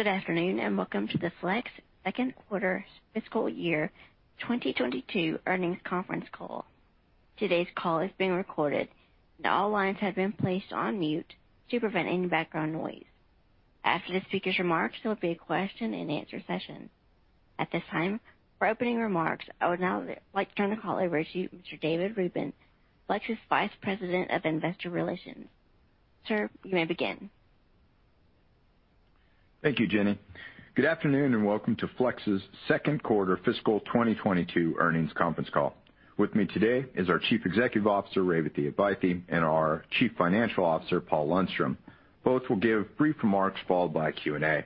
Good afternoon and welcome to the Flex Second Quarter Fiscal Year 2022 Earnings Conference Call. Today's call is being recorded, and all lines have been placed on mute to prevent any background noise. After the speaker's remarks, there will be a question-and-answer session. At this time, for opening remarks, I would now like to turn the call over to Mr. David Rubin, Flex's Vice President of Investor Relations. Sir, you may begin. Thank you, Jenny. Good afternoon and welcome to Flex's Second Quarter Fiscal 2022 Earnings Conference Call. With me today is our Chief Executive Officer, Revathi Advaithi, and our Chief Financial Officer, Paul Lundstrom. Both will give brief remarks followed by a Q&A.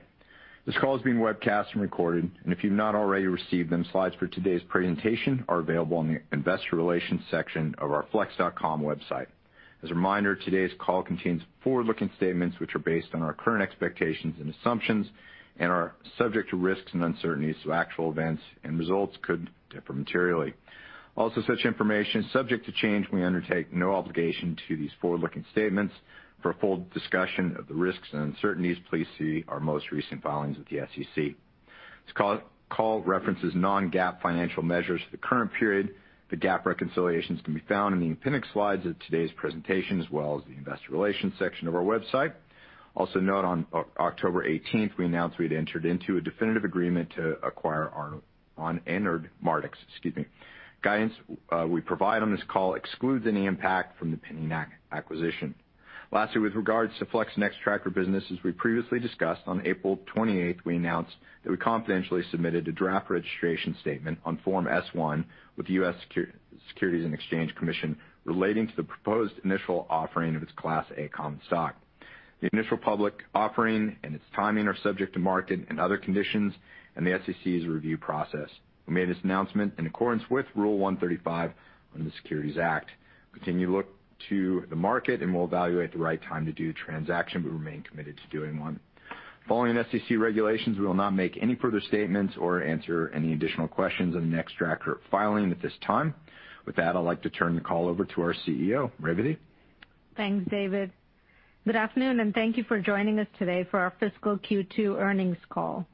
This call is being webcast and recorded, and if you've not already received them, slides for today's presentation are available in the Investor Relations section of our flex.com website. As a reminder, today's call contains forward-looking statements which are based on our current expectations and assumptions and are subject to risks and uncertainties, so actual events and results could differ materially. Also, such information is subject to change and we undertake no obligation to these forward-looking statements. For a full discussion of the risks and uncertainties, please see our most recent filings with the SEC. This call references non-GAAP financial measures for the current period. The GAAP reconciliations can be found in the appendix slides of today's presentation, as well as the Investor Relations section of our website. Also note, on October 18th, we announced we had entered into a definitive agreement to acquire Anord Mardix, excuse me. Guidance we provide on this call excludes any impact from the pending acquisition. Lastly, with regards to Flex's Nextracker, as we previously discussed, on April 28th, we announced that we confidentially submitted a draft registration statement on Form S-1 with the U.S. Securities and Exchange Commission relating to the proposed initial offering of its Class A Common Stock. The initial public offering and its timing are subject to market and other conditions and the SEC's review process. We made this announcement in accordance with Rule 135 under the Securities Act. Continue to look to the market, and we'll evaluate the right time to do the transaction, but remain committed to doing one. Following SEC regulations, we will not make any further statements or answer any additional questions on the Nextracker filing at this time. With that, I'd like to turn the call over to our CEO, Revathi. Thanks, David. Good afternoon and thank you for joining us today for our Fiscal Q2 Earnings Call.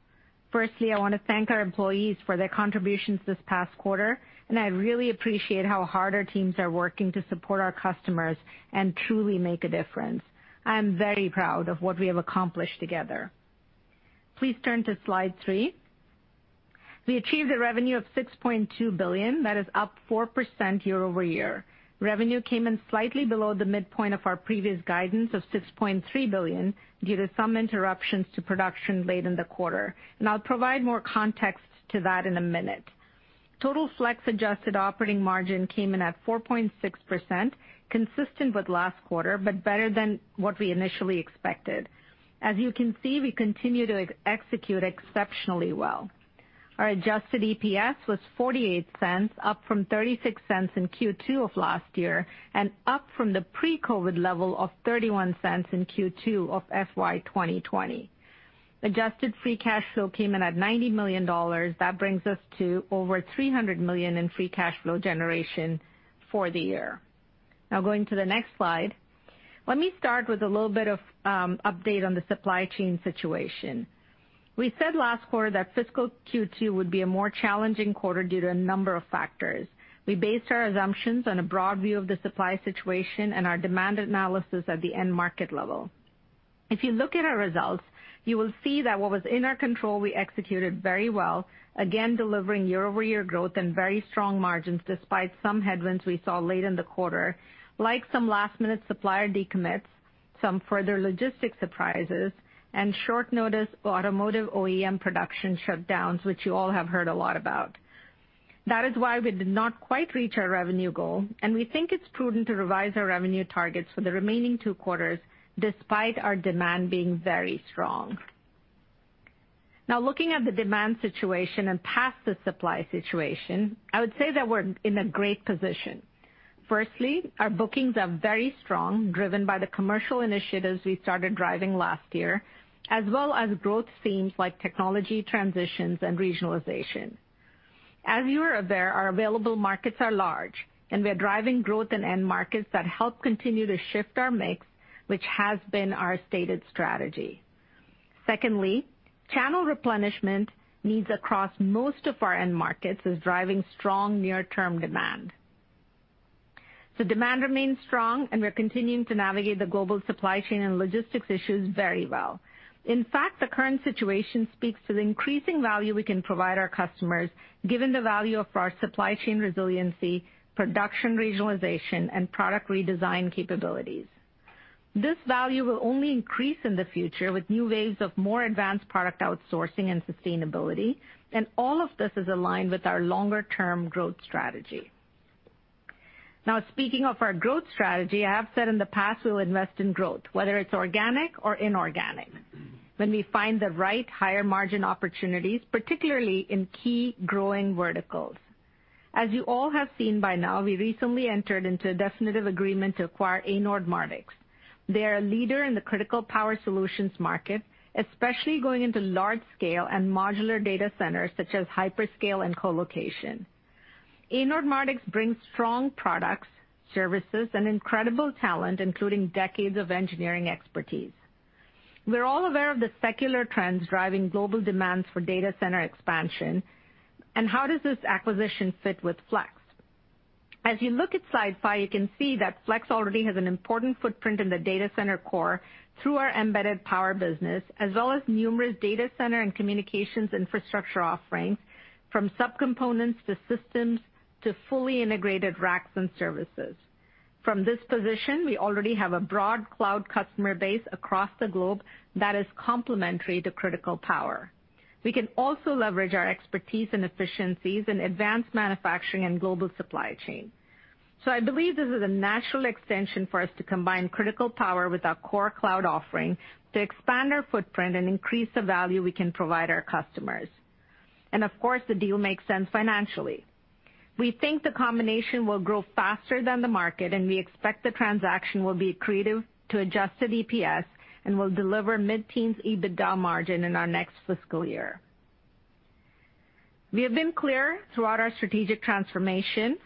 Firstly, I want to thank our employees for their contributions this past quarter, and I really appreciate how hard our teams are working to support our customers and truly make a difference. I am very proud of what we have accomplished together. Please turn to slide three. We achieved a revenue of $6.2 billion. That is up 4% year over year. Revenue came in slightly below the midpoint of our previous guidance of $6.3 billion due to some interruptions to production late in the quarter, and I'll provide more context to that in a minute. Total Flex adjusted operating margin came in at 4.6%, consistent with last quarter, but better than what we initially expected. As you can see, we continue to execute exceptionally well. Our Adjusted EPS was $0.48, up from $0.36 in Q2 of last year and up from the pre-COVID level of $0.31 in Q2 of FY 2020. Adjusted Free Cash Flow came in at $90 million. That brings us to over $300 million in free cash flow generation for the year. Now, going to the next slide, let me start with a little bit of an update on the supply chain situation. We said last quarter that Fiscal Q2 would be a more challenging quarter due to a number of factors. We based our assumptions on a broad view of the supply situation and our demand analysis at the end market level. If you look at our results, you will see that what was in our control, we executed very well, again delivering year-over-year growth and very strong margins despite some headwinds we saw late in the quarter, like some last-minute supplier decommits, some further logistics surprises, and short-notice automotive OEM production shutdowns, which you all have heard a lot about. That is why we did not quite reach our revenue goal, and we think it's prudent to revise our revenue targets for the remaining two quarters despite our demand being very strong. Now, looking at the demand situation and past the supply situation, I would say that we're in a great position. Firstly, our bookings are very strong, driven by the commercial initiatives we started driving last year, as well as growth themes like technology transitions and regionalization. As you are aware, our available markets are large, and we are driving growth in end markets that help continue to shift our mix, which has been our stated strategy. Secondly, channel replenishment needs across most of our end markets is driving strong near-term demand, so demand remains strong, and we're continuing to navigate the global supply chain and logistics issues very well. In fact, the current situation speaks to the increasing value we can provide our customers, given the value of our supply chain resiliency, production regionalization, and product redesign capabilities. This value will only increase in the future with new waves of more advanced product outsourcing and sustainability, and all of this is aligned with our longer-term growth strategy. Now, speaking of our growth strategy, I have said in the past we will invest in growth, whether it's organic or inorganic, when we find the right higher margin opportunities, particularly in key growing verticals. As you all have seen by now, we recently entered into a definitive agreement to acquire Anord Mardix. They are a leader in the critical power solutions market, especially going into large-scale and modular data centers such as hyperscale and colocation. Anord Mardix brings strong products, services, and incredible talent, including decades of engineering expertise. We're all aware of the secular trends driving global demands for data center expansion, and how does this acquisition fit with Flex? As you look at slide five, you can see that Flex already has an important footprint in the data center core through our Embedded Power business, as well as numerous data center and communications infrastructure offerings, from subcomponents to systems to fully integrated racks and services. From this position, we already have a broad cloud customer base across the globe that is complementary to critical power. We can also leverage our expertise and efficiencies in advanced manufacturing and global supply chain. So I believe this is a natural extension for us to combine critical power with our core cloud offering to expand our footprint and increase the value we can provide our customers. And of course, the deal makes sense financially. We think the combination will grow faster than the market, and we expect the transaction will be accretive to Adjusted EPS and will deliver mid-teens EBITDA margin in our next fiscal year. We have been clear throughout our strategic transformation.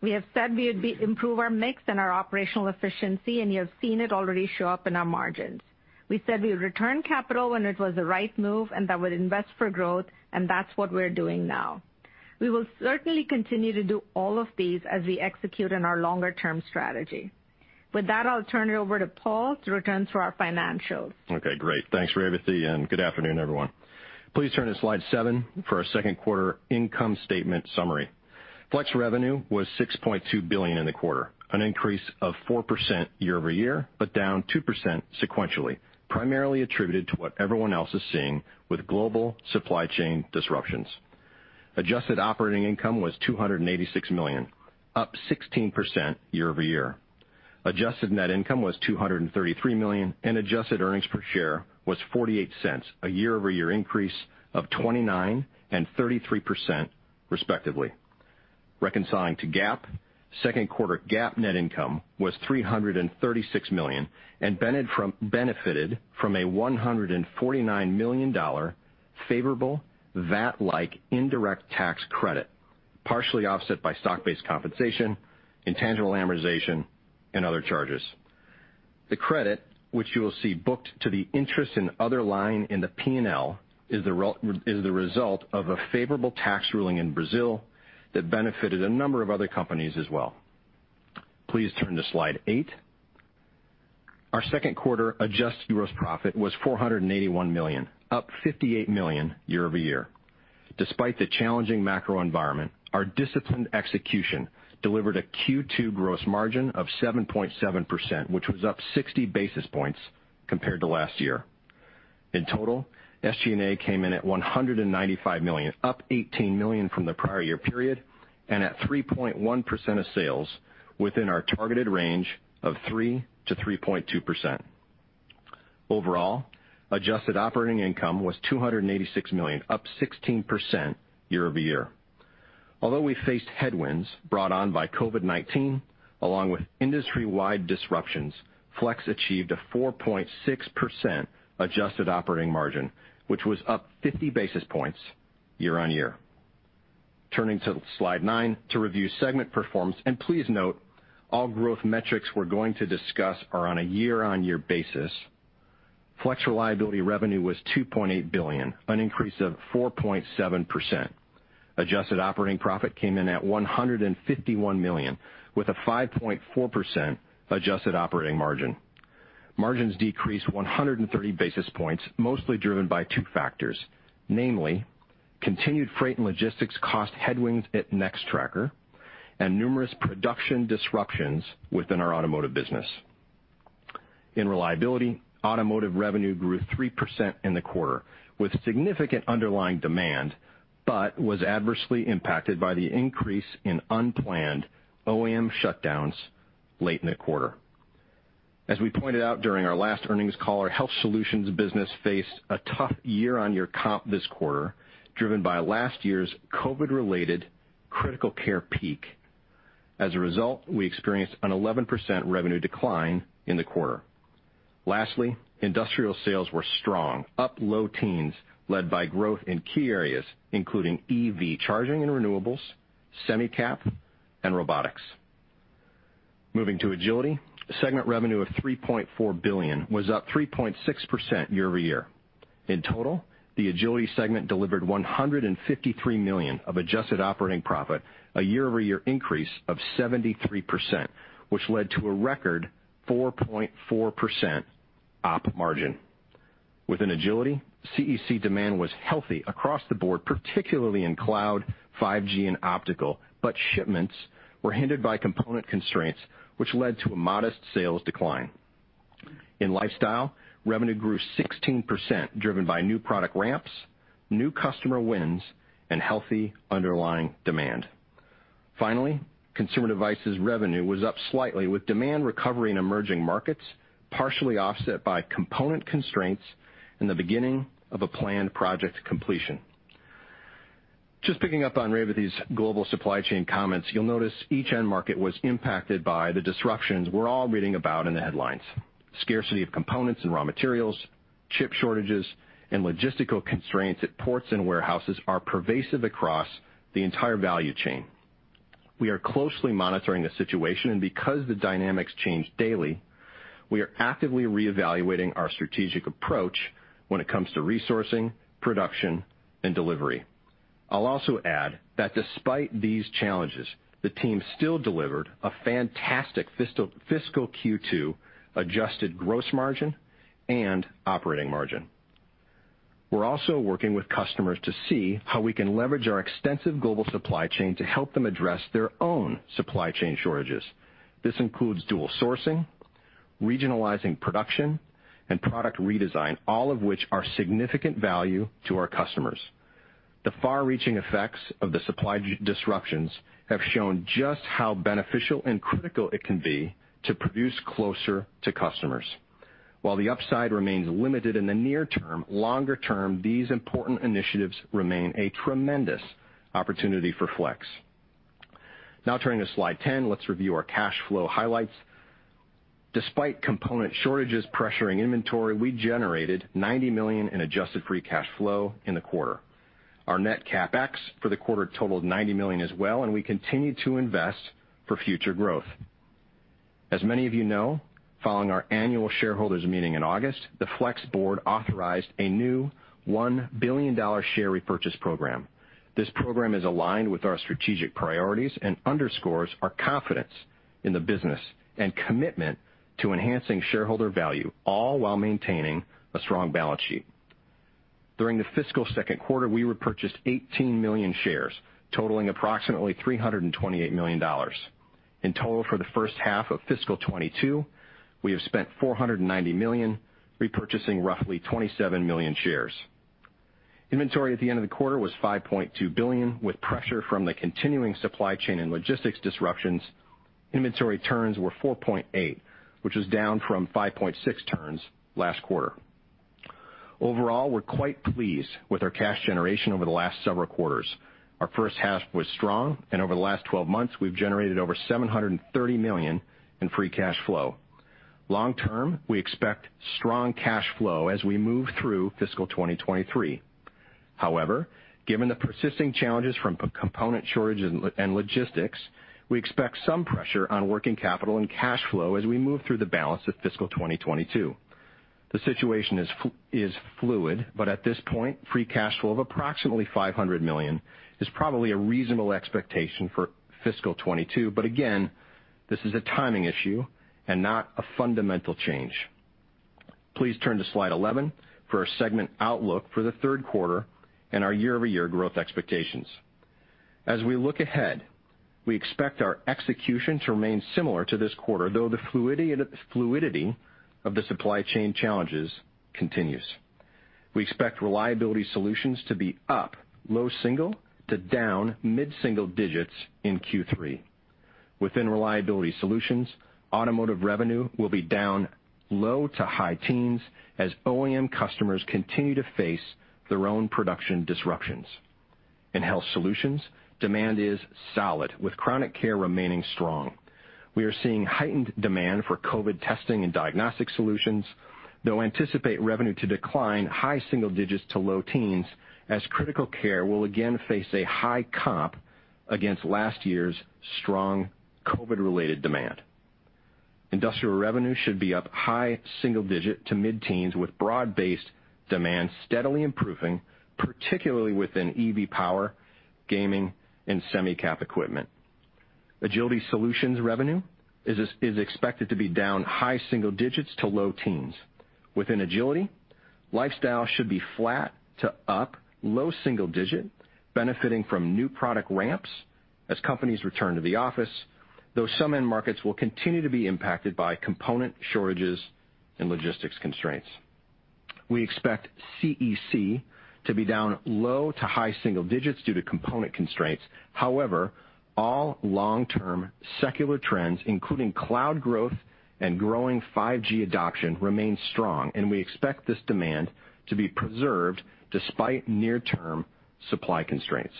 We have said we would improve our mix and our operational efficiency, and you have seen it already show up in our margins. We said we would return capital when it was the right move and that we would invest for growth, and that's what we're doing now. We will certainly continue to do all of these as we execute on our longer-term strategy. With that, I'll turn it over to Paul to return to our financials. Okay, great. Thanks, Revathi, and good afternoon, everyone. Please turn to slide seven for our Second Quarter Income Statement Summary. Flex revenue was $6.2 billion in the quarter, an increase of 4% year over year, but down 2% sequentially, primarily attributed to what everyone else is seeing with global supply chain disruptions. Adjusted operating income was $286 million, up 16% year over year. Adjusted net income was $233 million, and adjusted earnings per share was $0.48, a year-over-year increase of 29% and 33%, respectively. Reconciling to GAAP, Second Quarter GAAP net income was $336 million and benefited from a $149 million favorable VAT-like indirect tax credit, partially offset by stock-based compensation, intangible amortization, and other charges. The credit, which you will see booked to the interest in other line in the P&L, is the result of a favorable tax ruling in Brazil that benefited a number of other companies as well. Please turn to slide eight. Our Second Quarter adjusted gross profit was $481 million, up $58 million year over year. Despite the challenging macro environment, our disciplined execution delivered a Q2 gross margin of 7.7%, which was up 60 basis points compared to last year. In total, SG&A came in at $195 million, up $18 million from the prior year period, and at 3.1% of sales, within our targeted range of 3%-3.2%. Overall, adjusted operating income was $286 million, up 16% year over year. Although we faced headwinds brought on by COVID-19, along with industry-wide disruptions, Flex achieved a 4.6% adjusted operating margin, which was up 50 basis points year on year. Turning to slide nine to review segment performance, and please note all growth metrics we're going to discuss are on a year-on-year basis. Flex Reliability revenue was $2.8 billion, an increase of 4.7%. Adjusted operating profit came in at $151 million, with a 5.4% adjusted operating margin. Margins decreased 130 basis points, mostly driven by two factors, namely, continued freight and logistics cost headwinds at Nextracker and numerous production disruptions within our automotive business. In Reliability, automotive revenue grew 3% in the quarter, with significant underlying demand, but was adversely impacted by the increase in unplanned OEM shutdowns late in the quarter. As we pointed out during our last earnings call, our Health Solutions business faced a tough year-on-year comp this quarter, driven by last year's COVID-related critical care peak. As a result, we experienced an 11% revenue decline in the quarter. Lastly, industrial sales were strong, up low teens, led by growth in key areas, including EV charging and renewables, semi-cap, and robotics. Moving to Agility, segment revenue of $3.4 billion was up 3.6% year over year. In total, the Agility segment delivered $153 million of adjusted operating profit, a year-over-year increase of 73%, which led to a record 4.4% op margin. Within Agility, CEC demand was healthy across the board, particularly in cloud, 5G, and optical, but shipments were hindered by component constraints, which led to a modest sales decline. In Lifestyle, revenue grew 16%, driven by new product ramps, new customer wins, and healthy underlying demand. Finally, Consumer Devices revenue was up slightly, with demand recovery in emerging markets, partially offset by component constraints and the beginning of a planned project completion. Just picking up on Revathi's global supply chain comments, you'll notice each end market was impacted by the disruptions we're all reading about in the headlines. Scarcity of components and raw materials, chip shortages, and logistical constraints at ports and warehouses are pervasive across the entire value chain. We are closely monitoring the situation, and because the dynamics change daily, we are actively reevaluating our strategic approach when it comes to resourcing, production, and delivery. I'll also add that despite these challenges, the team still delivered a fantastic fiscal Q2 adjusted gross margin and operating margin. We're also working with customers to see how we can leverage our extensive global supply chain to help them address their own supply chain shortages. This includes dual sourcing, regionalizing production, and product redesign, all of which are significant value to our customers. The far-reaching effects of the supply disruptions have shown just how beneficial and critical it can be to produce closer to customers. While the upside remains limited in the near term, longer term, these important initiatives remain a tremendous opportunity for Flex. Now, turning to slide 10, let's review our cash flow highlights. Despite component shortages pressuring inventory, we generated $90 million in Adjusted Free Cash Flow in the quarter. Our net CapEx for the quarter totaled $90 million as well, and we continue to invest for future growth. As many of you know, following our annual shareholders' meeting in August, the Flex board authorized a new $1 billion share repurchase program. This program is aligned with our strategic priorities and underscores our confidence in the business and commitment to enhancing shareholder value, all while maintaining a strong balance sheet. During the fiscal second quarter, we repurchased 18 million shares, totaling approximately $328 million. In total, for the first half of fiscal 2022, we have spent $490 million, repurchasing roughly 27 million shares. Inventory at the end of the quarter was $5.2 billion, with pressure from the continuing supply chain and logistics disruptions. Inventory turns were 4.8, which was down from 5.6 turns last quarter. Overall, we're quite pleased with our cash generation over the last several quarters. Our first half was strong, and over the last 12 months, we've generated over $730 million in free cash flow. Long term, we expect strong cash flow as we move through fiscal 2023. However, given the persisting challenges from component shortages and logistics, we expect some pressure on working capital and cash flow as we move through the balance of fiscal 2022. The situation is fluid, but at this point, free cash flow of approximately $500 million is probably a reasonable expectation for fiscal 2022, but again, this is a timing issue and not a fundamental change. Please turn to slide 11 for our segment outlook for the third quarter and our year-over-year growth expectations. As we look ahead, we expect our execution to remain similar to this quarter, though the fluidity of the supply chain challenges continues. We expect Reliability Solutions to be up low single to down mid-single digits in Q3. Within Reliability Solutions, Automotive revenue will be down low to high teens as OEM customers continue to face their own production disruptions. In Health Solutions, demand is solid, with chronic care remaining strong. We are seeing heightened demand for COVID testing and diagnostic solutions, though anticipate revenue to decline high single digits to low teens as critical care will again face a high comp against last year's strong COVID-related demand. Industrial revenue should be up high single digit to mid-teens, with broad-based demand steadily improving, particularly within EV power, gaming, and semi-cap equipment. Agility Solutions revenue is expected to be down high single digits to low teens. Within Agility Solutions, Lifestyle should be flat to up low single digit, benefiting from new product ramps as companies return to the office, though some end markets will continue to be impacted by component shortages and logistics constraints. We expect CEC to be down low to high single digits due to component constraints. However, all long-term secular trends, including cloud growth and growing 5G adoption, remain strong, and we expect this demand to be preserved despite near-term supply constraints.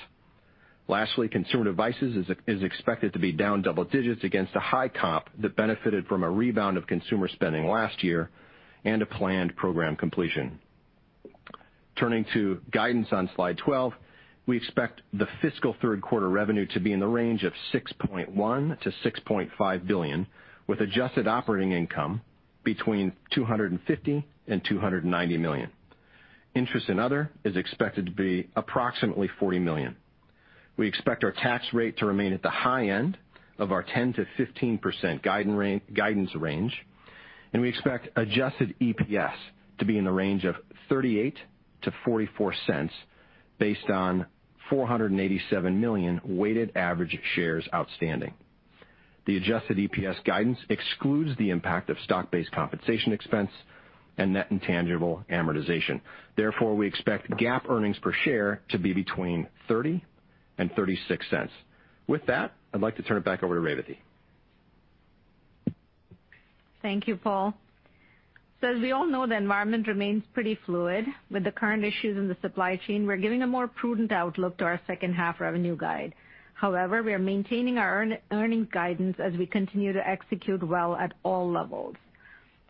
Lastly, consumer devices is expected to be down double digits against a high comp that benefited from a rebound of consumer spending last year and a planned program completion. Turning to guidance on slide 12, we expect the fiscal third quarter revenue to be in the range of $6.1-$6.5 billion, with adjusted operating income between $250-$290 million. Interest and other is expected to be approximately $40 million. We expect our tax rate to remain at the high end of our 10%-15% guidance range, and we expect adjusted EPS to be in the range of $0.38-$0.44 based on $487 million weighted average shares outstanding. The Adjusted EPS guidance excludes the impact of stock-based compensation expense and net intangible amortization. Therefore, we expect GAAP earnings per share to be between $0.30 and $0.36. With that, I'd like to turn it back over to Revathi. Thank you, Paul. So, as we all know, the environment remains pretty fluid. With the current issues in the supply chain, we're giving a more prudent outlook to our second half revenue guide. However, we are maintaining our earnings guidance as we continue to execute well at all levels.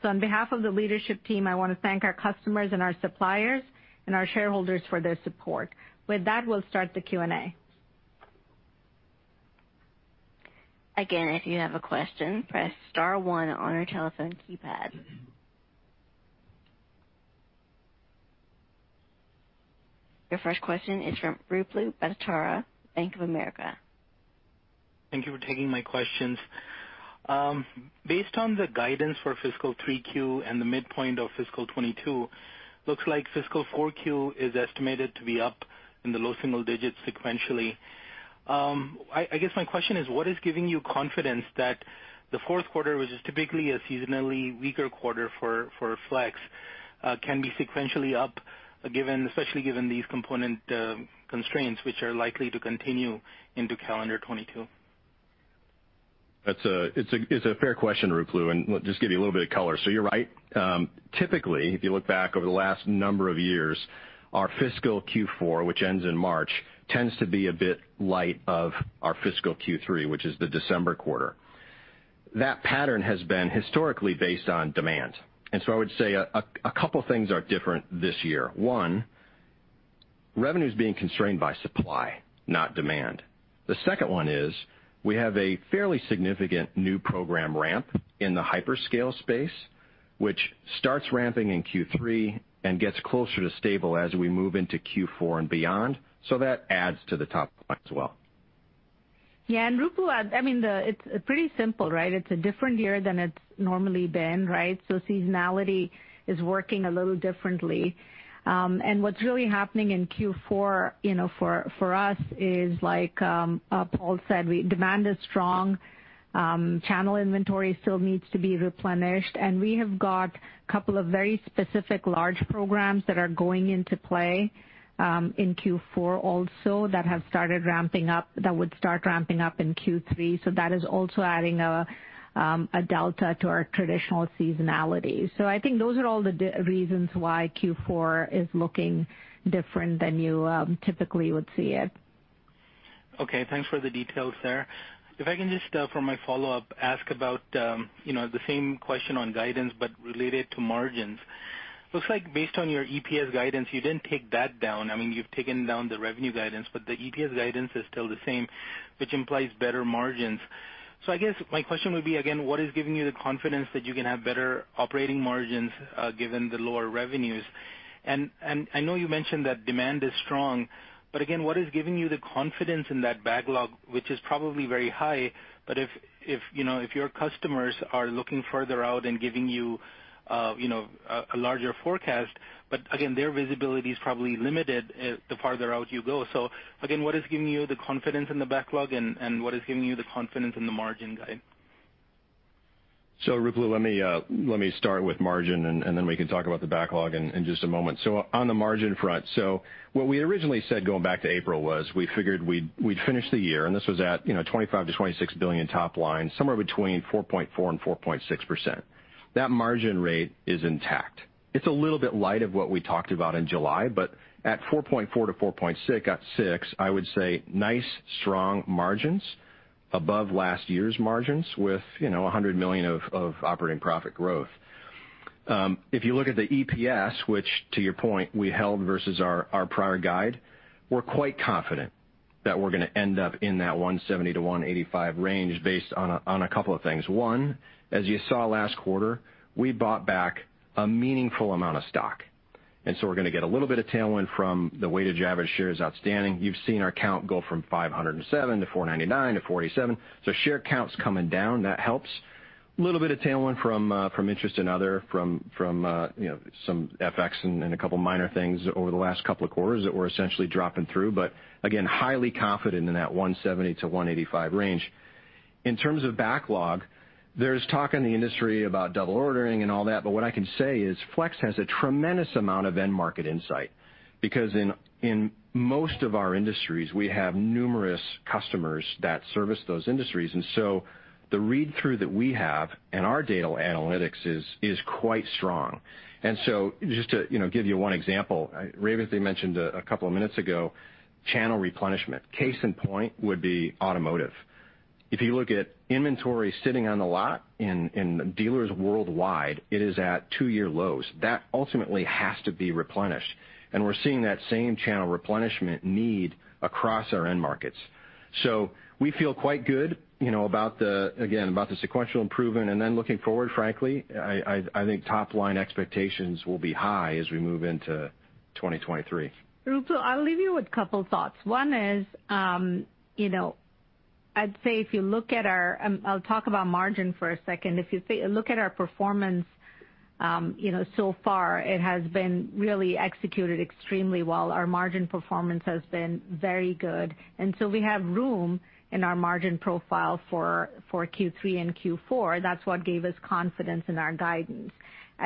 So, on behalf of the leadership team, I want to thank our customers and our suppliers and our shareholders for their support. With that, we'll start the Q&A. Again, if you have a question, press star one on your telephone keypad. Your first question is from Ruplu Bhattacharya, Bank of America. Thank you for taking my questions. Based on the guidance for fiscal 3Q and the midpoint of fiscal 2022, looks like fiscal 4Q is estimated to be up in the low single digits sequentially. I guess my question is, what is giving you confidence that the fourth quarter, which is typically a seasonally weaker quarter for Flex, can be sequentially up, especially given these component constraints, which are likely to continue into calendar 2022? It's a fair question, Ruplu, and just give you a little bit of color. So, you're right. Typically, if you look back over the last number of years, our fiscal Q4, which ends in March, tends to be a bit light of our fiscal Q3, which is the December quarter. That pattern has been historically based on demand. And so, I would say a couple of things are different this year. One, revenue is being constrained by supply, not demand. The second one is we have a fairly significant new program ramp in the hyperscale space, which starts ramping in Q3 and gets closer to stable as we move into Q4 and beyond. So, that adds to the top line as well. Yeah, and Ruplu, I mean, it's pretty simple, right? It's a different year than it's normally been, right? So, seasonality is working a little differently. And what's really happening in Q4 for us is, like Paul said, demand is strong, channel inventory still needs to be replenished, and we have got a couple of very specific large programs that are going into play in Q4 also that have started ramping up, that would start ramping up in Q3. So, that is also adding a delta to our traditional seasonality. So, I think those are all the reasons why Q4 is looking different than you typically would see it. Okay, thanks for the details there. If I can just, for my follow-up, ask about the same question on guidance, but related to margins. Looks like, based on your EPS guidance, you didn't take that down. I mean, you've taken down the revenue guidance, but the EPS guidance is still the same, which implies better margins. So, I guess my question would be, again, what is giving you the confidence that you can have better operating margins given the lower revenues? And I know you mentioned that demand is strong, but again, what is giving you the confidence in that backlog, which is probably very high, but if your customers are looking further out and giving you a larger forecast, but again, their visibility is probably limited the farther out you go. So, again, what is giving you the confidence in the backlog, and what is giving you the confidence in the margin guide? Ruplu, let me start with margin, and then we can talk about the backlog in just a moment. On the margin front, what we originally said going back to April was we figured we'd finish the year, and this was at $25-$26 billion top line, somewhere between 4.4%-4.6%. That margin rate is intact. It's a little bit light of what we talked about in July, but at 4.4%-4.6%, I would say nice, strong margins above last year's margins with $100 million of operating profit growth. If you look at the EPS, which, to your point, we held versus our prior guide, we're quite confident that we're going to end up in that $170-$185 range based on a couple of things. One, as you saw last quarter, we bought back a meaningful amount of stock. We're going to get a little bit of tailwind from the weighted average shares outstanding. You've seen our count go from $507 to $499 to $487. So, share count's coming down. That helps. A little bit of tailwind from interest in other, from some FX and a couple of minor things over the last couple of quarters that we're essentially dropping through, but again, highly confident in that $170-$185 range. In terms of backlog, there's talk in the industry about double ordering and all that, but what I can say is Flex has a tremendous amount of end market insight because, in most of our industries, we have numerous customers that service those industries. The read-through that we have and our data analytics is quite strong. Just to give you one example, Revathi mentioned a couple of minutes ago, channel replenishment. Case in point would be automotive. If you look at inventory sitting on the lot in dealers worldwide, it is at two-year lows. That ultimately has to be replenished, and we're seeing that same channel replenishment need across our end markets. So, we feel quite good, again, about the sequential improvement. And then, looking forward, frankly, I think top-line expectations will be high as we move into 2023. Ruplu, I'll leave you with a couple of thoughts. One is, I'd say if you look at our. I'll talk about margin for a second. If you look at our performance so far, it has been really executed extremely well. Our margin performance has been very good. And so, we have room in our margin profile for Q3 and Q4. That's what gave us confidence in our guidance.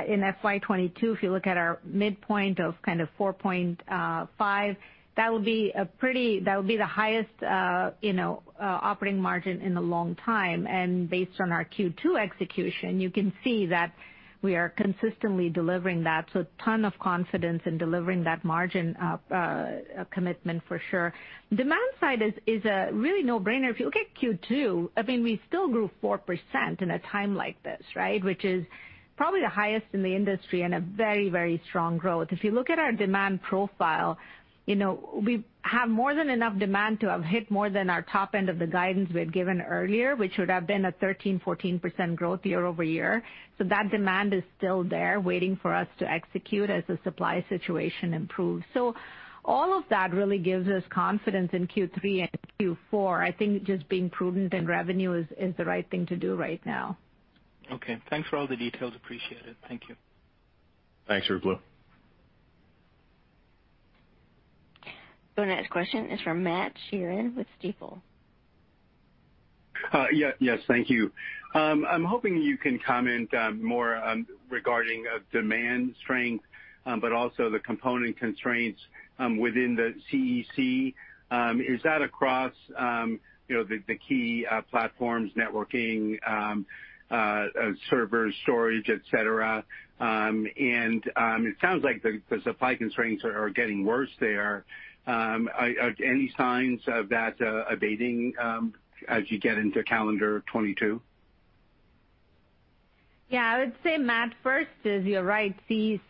In FY22, if you look at our midpoint of kind of 4.5, that would be the highest operating margin in a long time. And based on our Q2 execution, you can see that we are consistently delivering that. So, a ton of confidence in delivering that margin commitment, for sure. Demand side is really no-brainer. If you look at Q2, I mean, we still grew 4% in a time like this, right? Which is probably the highest in the industry and a very, very strong growth. If you look at our demand profile, we have more than enough demand to have hit more than our top end of the guidance we had given earlier, which would have been a 13%-14% growth year over year. So, that demand is still there waiting for us to execute as the supply situation improves. So, all of that really gives us confidence in Q3 and Q4. I think just being prudent in revenue is the right thing to do right now. Okay, thanks for all the details. Appreciate it. Thank you. Thanks, Rupert. Our next question is from Matt Sheerin with Stifel. Yes, thank you. I'm hoping you can comment more regarding demand strength, but also the component constraints within the CEC. Is that across the key platforms, networking, servers, storage, etc.? And it sounds like the supply constraints are getting worse there. Any signs of that abating as you get into calendar 2022? Yeah, I would say, Matt, first is you're right. CEC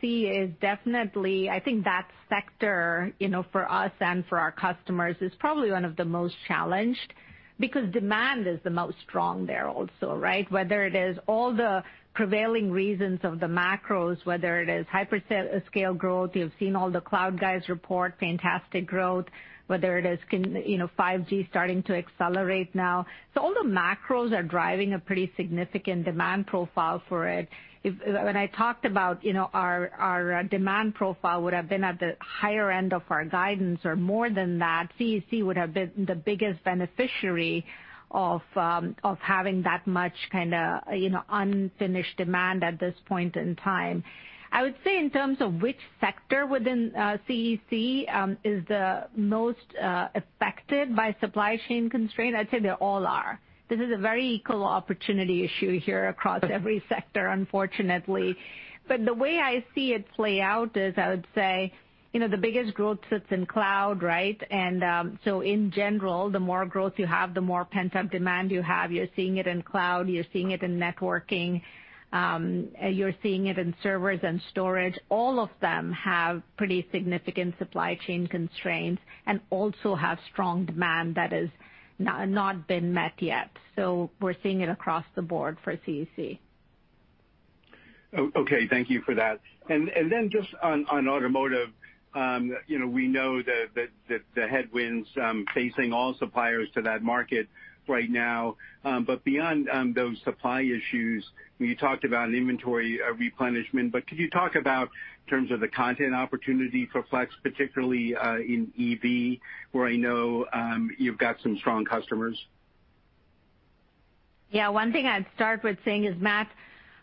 is definitely, I think that sector for us and for our customers is probably one of the most challenged because demand is the most strong there also, right? Whether it is all the prevailing reasons of the macros, whether it is hyperscale growth, you've seen all the cloud guys report fantastic growth, whether it is 5G starting to accelerate now. So, all the macros are driving a pretty significant demand profile for it. When I talked about our demand profile would have been at the higher end of our guidance or more than that, CEC would have been the biggest beneficiary of having that much kind of unfinished demand at this point in time. I would say, in terms of which sector within CEC is the most affected by supply chain constraint, I'd say they all are. This is a very equal opportunity issue here across every sector, unfortunately. But the way I see it play out is, I would say, the biggest growth sits in cloud, right? And so, in general, the more growth you have, the more pent-up demand you have. You're seeing it in cloud, you're seeing it in networking, you're seeing it in servers and storage. All of them have pretty significant supply chain constraints and also have strong demand that has not been met yet. So, we're seeing it across the board for CEC. Okay, thank you for that. And then, just on automotive, we know that the headwinds are facing all suppliers to that market right now. But beyond those supply issues, you talked about inventory replenishment, but could you talk about, in terms of the content opportunity for Flex, particularly in EV, where I know you've got some strong customers? Yeah, one thing I'd start with saying is, Matt,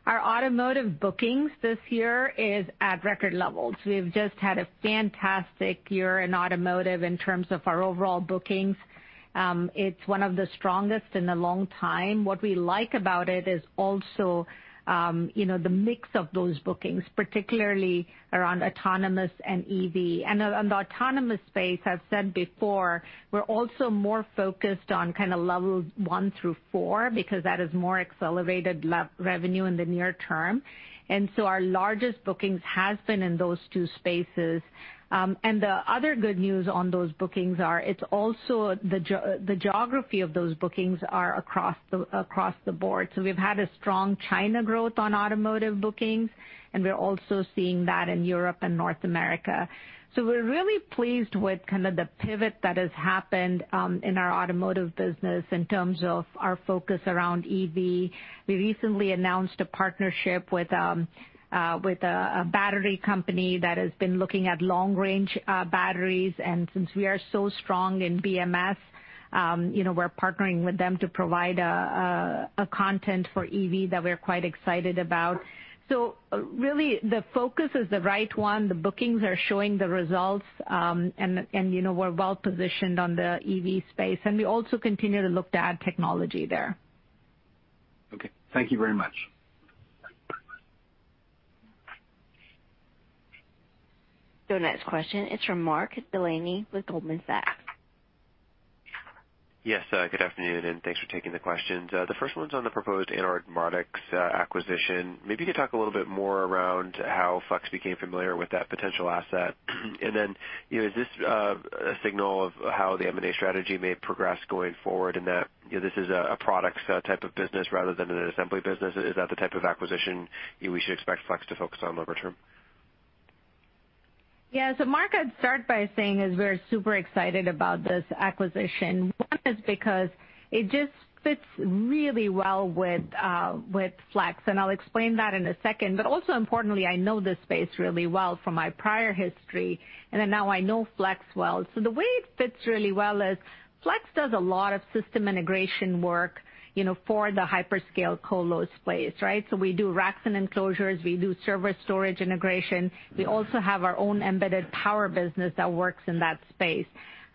our automotive bookings this year are at record levels. We've just had a fantastic year in automotive in terms of our overall bookings. It's one of the strongest in a long time. What we like about it is also the mix of those bookings, particularly around autonomous and EV. And on the autonomous space, I've said before, we're also more focused on kind of level one through four because that is more accelerated revenue in the near term. And so, our largest bookings have been in those two spaces. And the other good news on those bookings is also the geography of those bookings is across the board. So, we've had a strong China growth on automotive bookings, and we're also seeing that in Europe and North America. We're really pleased with kind of the pivot that has happened in our automotive business in terms of our focus around EV. We recently announced a partnership with a battery company that has been looking at long-range batteries. Since we are so strong in BMS, we're partnering with them to provide content for EV that we're quite excited about. Really, the focus is the right one. The bookings are showing the results, and we're well-positioned on the EV space. We also continue to look to add technology there. Okay, thank you very much. So, next question is from Mark Delaney with Goldman Sachs. Yes, good afternoon, and thanks for taking the questions. The first one's on the proposed Anord Mardix's acquisition. Maybe you could talk a little bit more around how Flex became familiar with that potential asset. And then, is this a signal of how the M&A strategy may progress going forward in that this is a product type of business rather than an assembly business? Is that the type of acquisition we should expect Flex to focus on longer term? Yeah, so Mark, I'd start by saying we're super excited about this acquisition. One is because it just fits really well with Flex, and I'll explain that in a second. But also importantly, I know this space really well from my prior history, and then now I know Flex well. So, the way it fits really well is Flex does a lot of system integration work for the hyperscale co-lo space, right? So, we do racks and enclosures, we do server storage integration, we also have our own embedded power business that works in that space.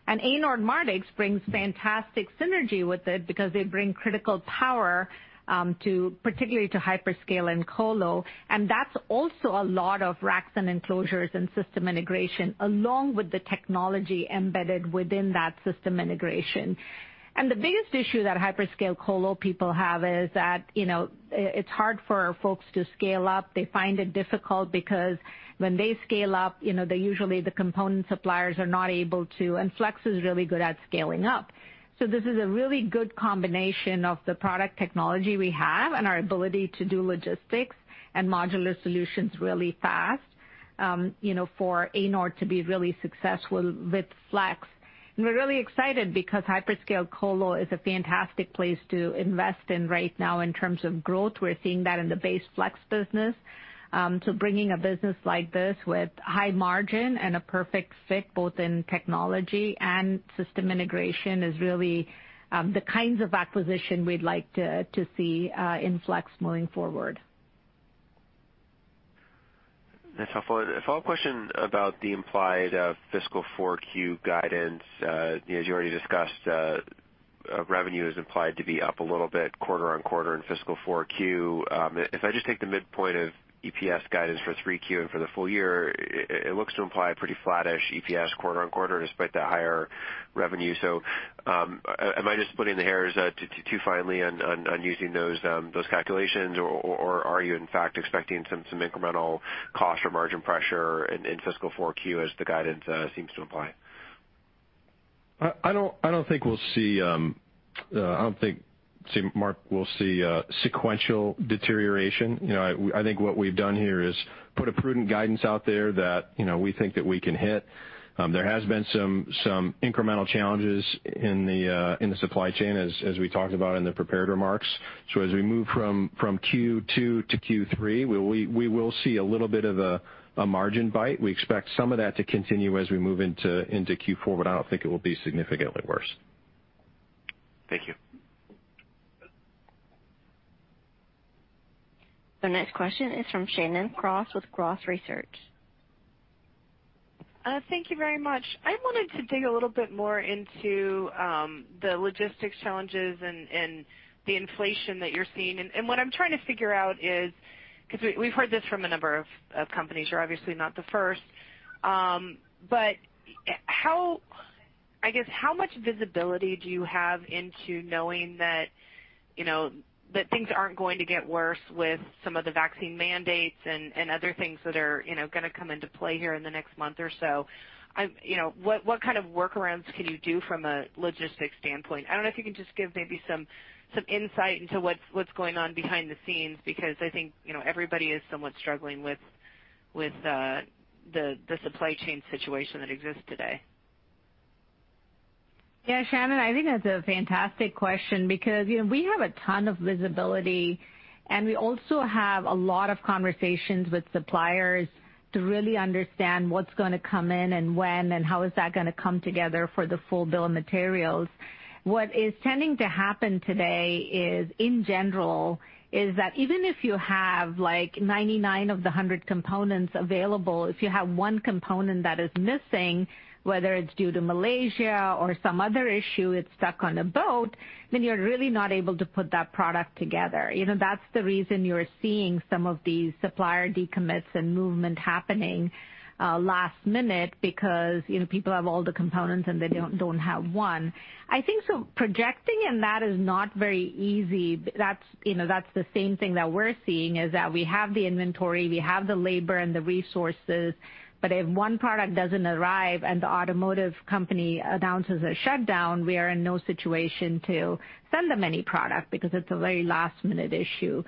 And Anord Mardix brings fantastic synergy with it because they bring critical power, particularly to hyperscale and co-lo. And that's also a lot of racks and enclosures and system integration along with the technology embedded within that system integration. And the biggest issue that hyperscale co-lo people have is that it's hard for folks to scale up. They find it difficult because, when they scale up, usually the component suppliers are not able to, and Flex is really good at scaling up. So, this is a really good combination of the product technology we have and our ability to do logistics and modular solutions really fast for Anord to be really successful with Flex. And we're really excited because hyperscale co-lo is a fantastic place to invest in right now in terms of growth. We're seeing that in the base Flex business. So, bringing a business like this with high margin and a perfect fit both in technology and system integration is really the kinds of acquisition we'd like to see in Flex moving forward. That's helpful. A follow-up question about the implied fiscal 4Q guidance. As you already discussed, revenue is implied to be up a little bit quarter on quarter in fiscal 4Q. If I just take the midpoint of EPS guidance for 3Q and for the full year, it looks to imply a pretty flattish EPS quarter on quarter despite the higher revenue. So, am I just splitting hairs too finely on using those calculations, or are you, in fact, expecting some incremental cost or margin pressure in fiscal 4Q as the guidance seems to imply? I don't think we'll see. I don't think, Mark, we'll see sequential deterioration. I think what we've done here is put a prudent guidance out there that we think that we can hit. There have been some incremental challenges in the supply chain, as we talked about in the prepared remarks. So, as we move from Q2-Q3, we will see a little bit of a margin bite. We expect some of that to continue as we move into Q4, but I don't think it will be significantly worse. Thank you. So, next question is from Shannon Cross with Cross Research. Thank you very much. I wanted to dig a little bit more into the logistics challenges and the inflation that you're seeing, and what I'm trying to figure out is, because we've heard this from a number of companies, you're obviously not the first, but I guess, how much visibility do you have into knowing that things aren't going to get worse with some of the vaccine mandates and other things that are going to come into play here in the next month or so? What kind of workarounds can you do from a logistics standpoint? I don't know if you can just give maybe some insight into what's going on behind the scenes because I think everybody is somewhat struggling with the supply chain situation that exists today. Yeah, Shannon, I think that's a fantastic question because we have a ton of visibility, and we also have a lot of conversations with suppliers to really understand what's going to come in and when and how is that going to come together for the full bill of materials. What is tending to happen today is, in general, that even if you have 99 of the 100 components available, if you have one component that is missing, whether it's due to Malaysia or some other issue, it's stuck on a boat, then you're really not able to put that product together. That's the reason you're seeing some of these supplier decommits and movement happening last minute because people have all the components and they don't have one. I think so, projecting in that is not very easy. That's the same thing that we're seeing is that we have the inventory, we have the labor and the resources, but if one product doesn't arrive and the automotive company announces a shutdown, we are in no situation to send them any product because it's a very last-minute issue.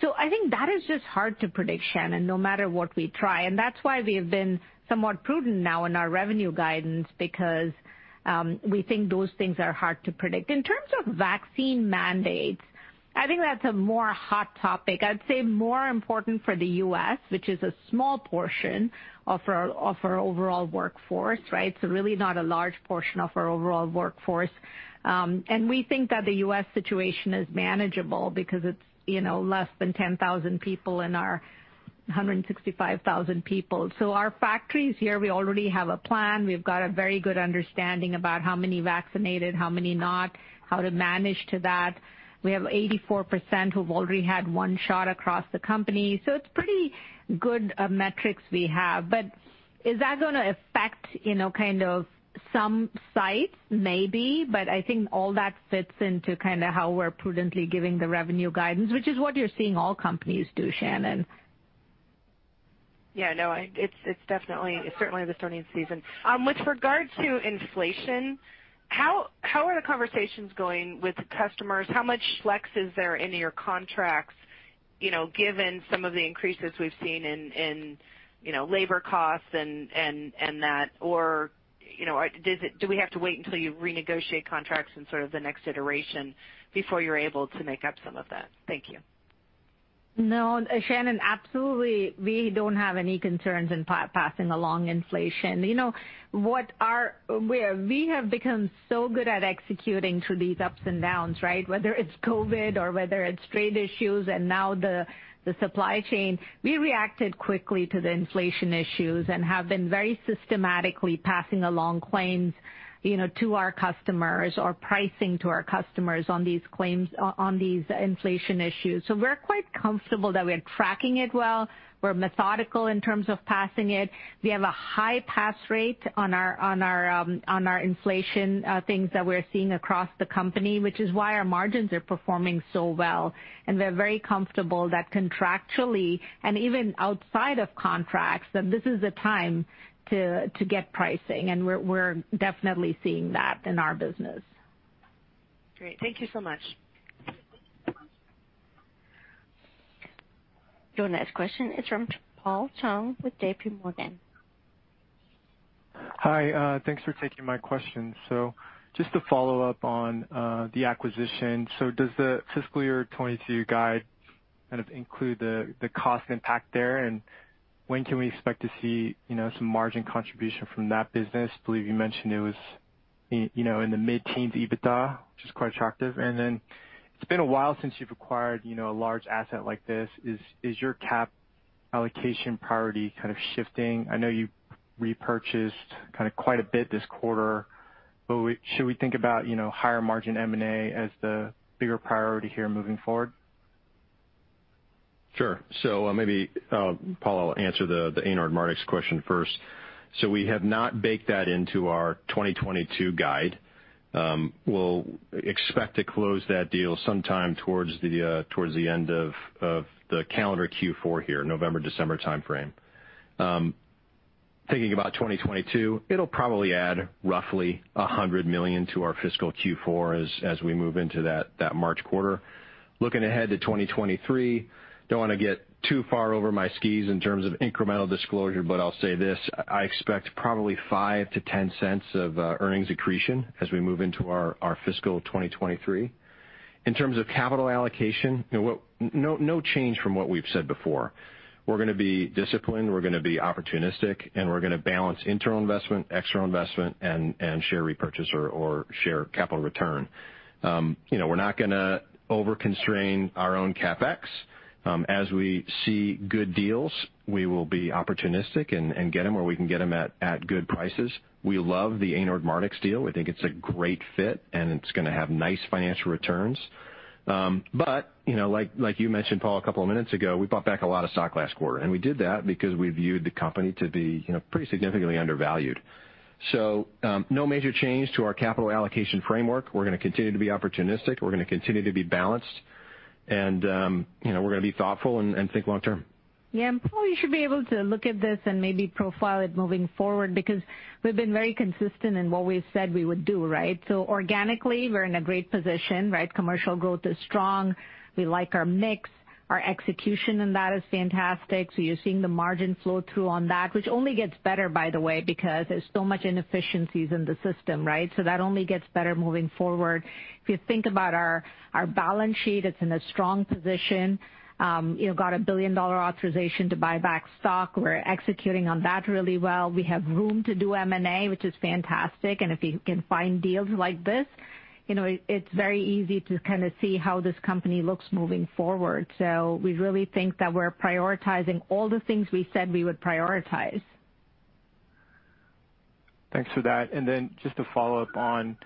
So, I think that is just hard to predict, Shannon, no matter what we try. And that's why we have been somewhat prudent now in our revenue guidance because we think those things are hard to predict. In terms of vaccine mandates, I think that's a more hot topic. I'd say more important for the U.S., which is a small portion of our overall workforce, right? So, really not a large portion of our overall workforce. And we think that the U.S. situation is manageable because it's less than 10,000 people in our 165,000 people. So, our factories here, we already have a plan. We've got a very good understanding about how many vaccinated, how many not, how to manage to that. We have 84% who've already had one shot across the company. So, it's pretty good metrics we have. But is that going to affect kind of some sites? Maybe, but I think all that fits into kind of how we're prudently giving the revenue guidance, which is what you're seeing all companies do, Shannon. Yeah, no, it's certainly the starting season. With regard to inflation, how are the conversations going with customers? How much Flex is there in your contracts given some of the increases we've seen in labor costs and that? Or do we have to wait until you renegotiate contracts in sort of the next iteration before you're able to make up some of that? Thank you. No, Shannon, absolutely. We don't have any concerns in passing along inflation. We have become so good at executing through these ups and downs, right? Whether it's COVID or whether it's trade issues and now the supply chain, we reacted quickly to the inflation issues and have been very systematically passing along claims to our customers or pricing to our customers on these inflation issues. So, we're quite comfortable that we're tracking it well. We're methodical in terms of passing it. We have a high pass rate on our inflation things that we're seeing across the company, which is why our margins are performing so well. And we're very comfortable that contractually and even outside of contracts, that this is the time to get pricing. And we're definitely seeing that in our business. Great, thank you so much. So, next question is from Paul Chung with J.P. Morgan. Hi, thanks for taking my question. So, just to follow up on the acquisition, so does the fiscal year 2022 guide kind of include the cost impact there? And when can we expect to see some margin contribution from that business? I believe you mentioned it was in the mid-teens EBITDA, which is quite attractive. And then, it's been a while since you've acquired a large asset like this. Is your capital allocation priority kind of shifting? I know you repurchased kind of quite a bit this quarter, but should we think about higher margin M&A as the bigger priority here moving forward? Sure. So, maybe Paul, I'll answer the Anord Mardix's question first. So, we have not baked that into our 2022 guide. We'll expect to close that deal sometime towards the end of the calendar Q4 here, November, December timeframe. Thinking about 2022, it'll probably add roughly $100 million to our fiscal Q4 as we move into that March quarter. Looking ahead to 2023, don't want to get too far over my skis in terms of incremental disclosure, but I'll say this: I expect probably $0.05-$0.10 of earnings accretion as we move into our fiscal 2023. In terms of capital allocation, no change from what we've said before. We're going to be disciplined, we're going to be opportunistic, and we're going to balance internal investment, external investment, and share repurchase or share capital return. We're not going to over-constrain our own CapEx. As we see good deals, we will be opportunistic and get them where we can get them at good prices. We love the Anord Mardix's deal. We think it's a great fit, and it's going to have nice financial returns. But, like you mentioned, Paul, a couple of minutes ago, we bought back a lot of stock last quarter. And we did that because we viewed the company to be pretty significantly undervalued. So, no major change to our capital allocation framework. We're going to continue to be opportunistic. We're going to continue to be balanced. And we're going to be thoughtful and think long-term. Yeah, and probably you should be able to look at this and maybe profile it moving forward because we've been very consistent in what we've said we would do, right? So, organically, we're in a great position, right? Commercial growth is strong. We like our mix. Our execution in that is fantastic. So, you're seeing the margin flow through on that, which only gets better, by the way, because there's so much inefficiencies in the system, right? So, that only gets better moving forward. If you think about our balance sheet, it's in a strong position. Got a billion-dollar authorization to buy back stock. We're executing on that really well. We have room to do M&A, which is fantastic. And if you can find deals like this, it's very easy to kind of see how this company looks moving forward. So, we really think that we're prioritizing all the things we said we would prioritize. Thanks for that. And then, just to follow up on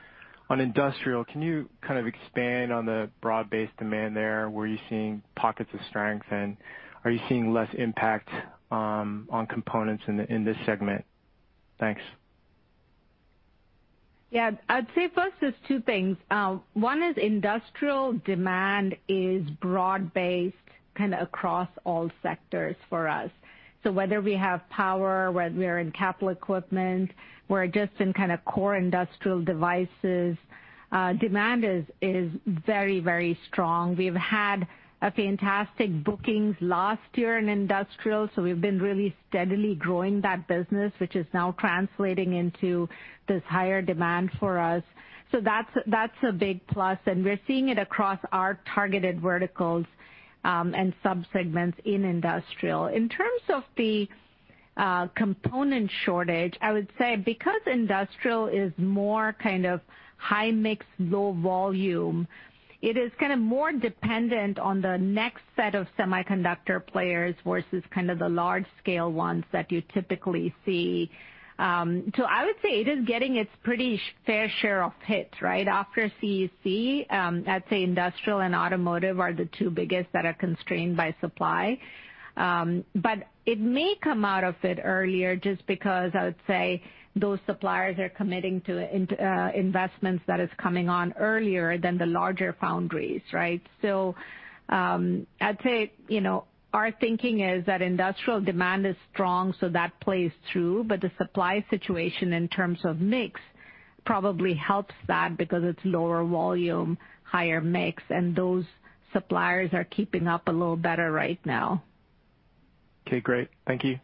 industrial, can you kind of expand on the broad-based demand there? Were you seeing pockets of strength, and are you seeing less impact on components in this segment? Thanks. Yeah, I'd say first there's two things. One is industrial demand is broad-based kind of across all sectors for us. So, whether we have power, whether we're in capital equipment, we're just in kind of core industrial devices. Demand is very, very strong. We've had a fantastic bookings last year in industrial. So, we've been really steadily growing that business, which is now translating into this higher demand for us. So, that's a big plus. And we're seeing it across our targeted verticals and subsegments in industrial. In terms of the component shortage, I would say because industrial is more kind of high mix, low volume, it is kind of more dependent on the next set of semiconductor players versus kind of the large-scale ones that you typically see. So, I would say it is getting its pretty fair share of hit, right? After CEC, I'd say industrial and automotive are the two biggest that are constrained by supply. But it may come out of it earlier just because I would say those suppliers are committing to investments that are coming on earlier than the larger foundries, right? So, I'd say our thinking is that industrial demand is strong, so that plays through. But the supply situation in terms of mix probably helps that because it's lower volume, higher mix, and those suppliers are keeping up a little better right now. Okay, great. Thank you.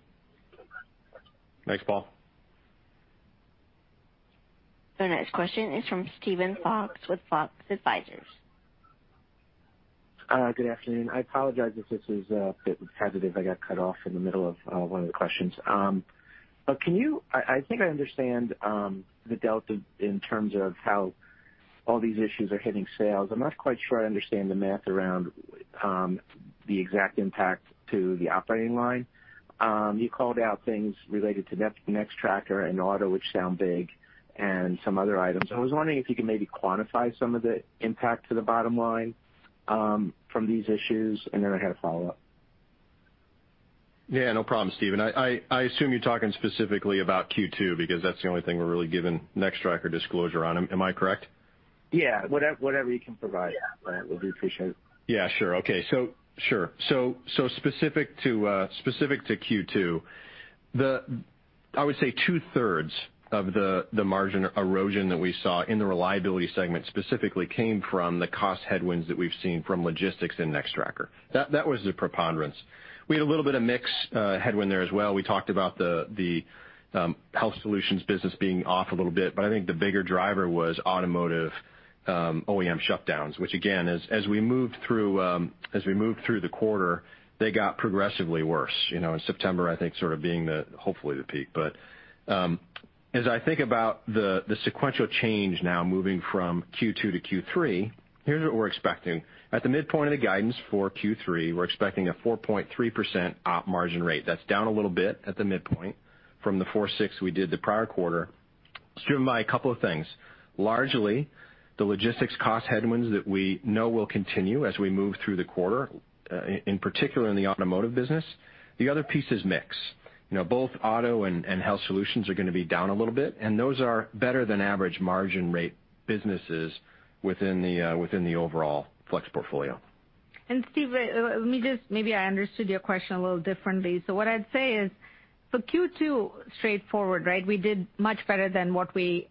Thanks, Paul. So, next question is from Steven Fox with Fox Advisors. Good afternoon. I apologize if this was a bit repetitive. I got cut off in the middle of one of the questions. But I think I understand the delta in terms of how all these issues are hitting sales. I'm not quite sure I understand the math around the exact impact to the operating line. You called out things related to Nextracker and Auto, which sound big, and some other items. I was wondering if you could maybe quantify some of the impact to the bottom line from these issues, and then I had a follow-up. Yeah, no problem, Steven. I assume you're talking specifically about Q2 because that's the only thing we're really giving Nextracker disclosure on. Am I correct? Yeah, whatever you can provide. We do appreciate it. Yeah, sure. Okay, so sure. So, specific to Q2, I would say two-thirds of the margin erosion that we saw in the reliability segment specifically came from the cost headwinds that we've seen from logistics in Nextracker. That was the preponderance. We had a little bit of mix headwind there as well. We talked about the health solutions business being off a little bit, but I think the bigger driver was automotive OEM shutdowns, which again, as we moved through the quarter, they got progressively worse. In September, I think, sort of being hopefully the peak. But as I think about the sequential change now moving from Q2-Q3, here's what we're expecting. At the midpoint of the guidance for Q3, we're expecting a 4.3% op margin rate. That's down a little bit at the midpoint from the 4.6% we did the prior quarter. It's driven by a couple of things. Largely, the logistics cost headwinds that we know will continue as we move through the quarter, in particular in the automotive business. The other piece is mix. Both auto and health solutions are going to be down a little bit, and those are better-than-average margin rate businesses within the overall Flex portfolio. And, Steve, let me just, maybe, I understood your question a little differently. So, what I'd say is for Q2, straightforward, right? We did much better than what we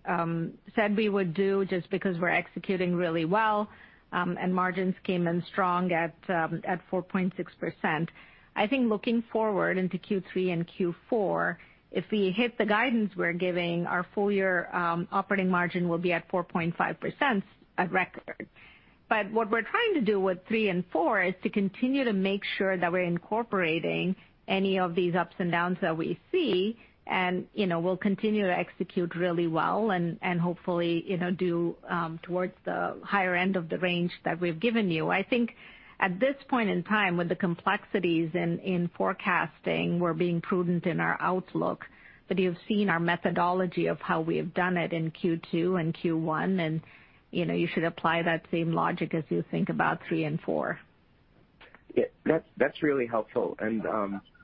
said we would do just because we're executing really well, and margins came in strong at 4.6%. I think looking forward into Q3 and Q4, if we hit the guidance we're giving, our full-year operating margin will be at 4.5% at record. But what we're trying to do with three and four is to continue to make sure that we're incorporating any of these ups and downs that we see, and we'll continue to execute really well and hopefully do towards the higher end of the range that we've given you. I think at this point in time, with the complexities in forecasting, we're being prudent in our outlook. But you've seen our methodology of how we have done it in Q2 and Q1, and you should apply that same logic as you think about three and four. Yeah, that's really helpful. And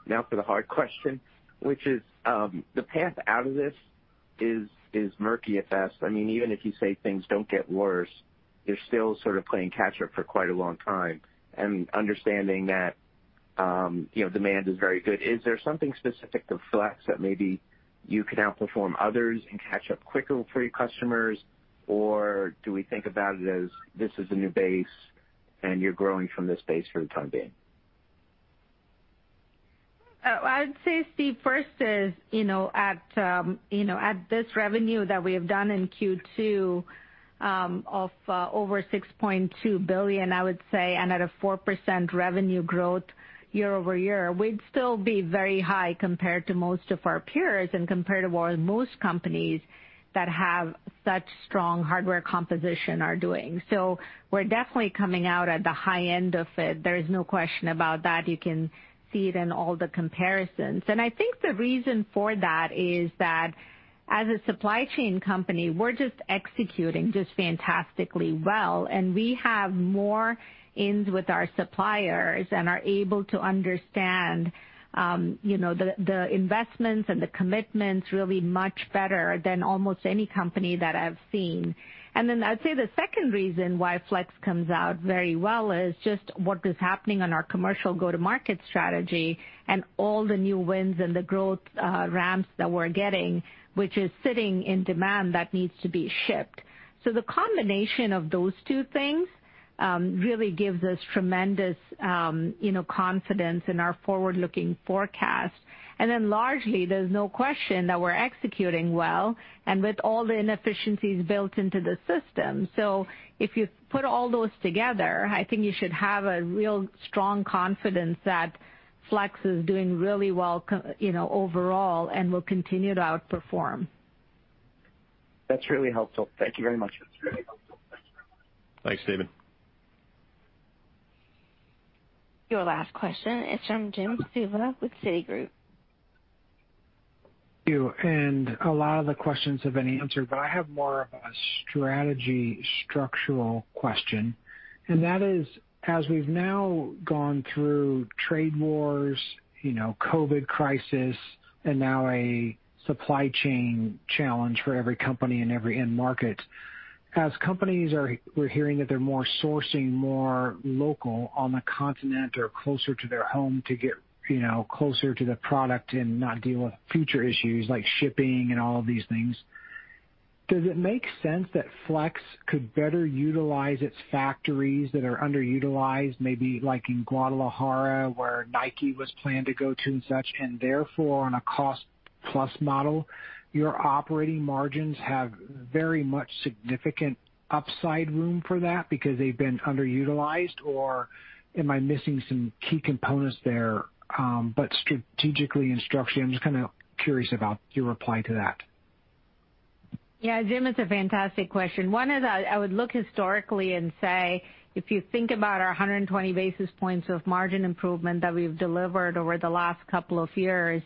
now for the hard question, which is the path out of this is murky at best. I mean, even if you say things don't get worse, you're still sort of playing catch-up for quite a long time. And understanding that demand is very good. Is there something specific to Flex that maybe you can outperform others and catch up quicker for your customers, or do we think about it as this is a new base and you're growing from this base for the time being? I'd say, Steve, first is at this revenue that we have done in Q2 of over $6.2 billion, I would say, and at a 4% revenue growth year over year, we'd still be very high compared to most of our peers and compared to most companies that have such strong hardware composition are doing. So, we're definitely coming out at the high end of it. There is no question about that. You can see it in all the comparisons. And I think the reason for that is that as a supply chain company, we're just executing fantastically well. And we have more ins with our suppliers and are able to understand the investments and the commitments really much better than almost any company that I've seen. And then, I'd say the second reason why Flex comes out very well is just what is happening on our commercial go-to-market strategy and all the new wins and the growth ramps that we're getting, which is sitting in demand that needs to be shipped. So, the combination of those two things really gives us tremendous confidence in our forward-looking forecast. And then, largely, there's no question that we're executing well and with all the inefficiencies built into the system. So, if you put all those together, I think you should have a real strong confidence that Flex is doing really well overall and will continue to outperform. That's really helpful. Thank you very much. Thanks, Steven. Your last question. It's from Jim Suva with Citi. Thank you. And a lot of the questions have been answered, but I have more of a strategy structural question. And that is, as we've now gone through trade wars, COVID crisis, and now a supply chain challenge for every company in every end market, we're hearing that they're sourcing more locally on the continent or closer to their home to get closer to the product and not deal with future issues like shipping and all of these things. Does it make sense that Flex could better utilize its factories that are underutilized, maybe like in Guadalajara where Nike was planned to go to and such, and therefore on a cost-plus model? Your operating margins have very much significant upside room for that because they've been underutilized, or am I missing some key components there? But strategically and structurally, I'm just kind of curious about your reply to that. Yeah, Jim, it's a fantastic question. One is I would look historically and say, if you think about our 120 basis points of margin improvement that we've delivered over the last couple of years,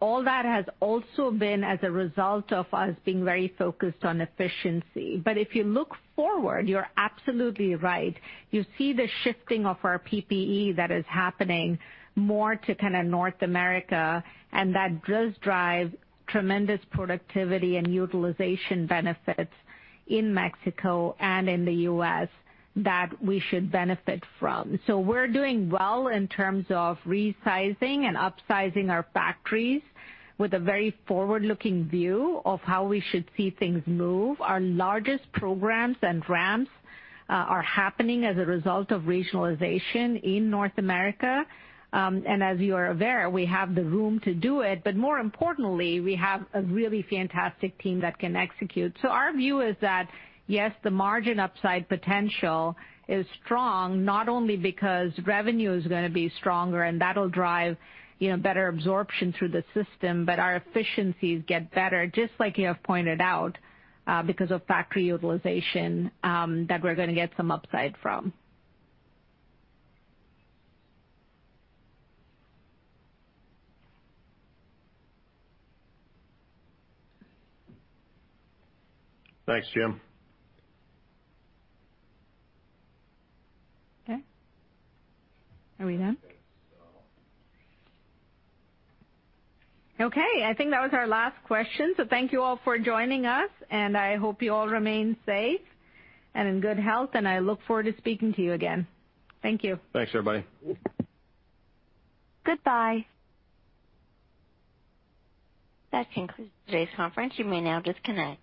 all that has also been as a result of us being very focused on efficiency. But if you look forward, you're absolutely right. You see the shifting of our PPE that is happening more to kind of North America, and that does drive tremendous productivity and utilization benefits in Mexico and in the U.S. that we should benefit from. So, we're doing well in terms of resizing and upsizing our factories with a very forward-looking view of how we should see things move. Our largest programs and ramps are happening as a result of regionalization in North America. And as you are aware, we have the room to do it. But more importantly, we have a really fantastic team that can execute. So, our view is that, yes, the margin upside potential is strong, not only because revenue is going to be stronger and that'll drive better absorption through the system, but our efficiencies get better, just like you have pointed out, because of factory utilization that we're going to get some upside from. Thanks, Jim. Okay. Are we done? Okay. I think that was our last question. So, thank you all for joining us, and I hope you all remain safe and in good health, and I look forward to speaking to you again. Thank you. Thanks, everybody. Goodbye. That concludes today's conference. You may now disconnect.